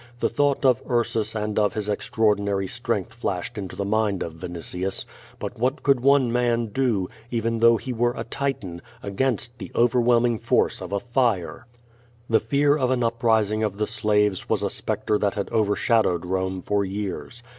The thought of Ursus and of his extraordinary strength flashed into the mind of Vinitius. But what could one man do, even though he were a Titan, against the overwhelming force of a fire? The fear of an uprising of the slaves was a spectre that had overshadowed Rome for years.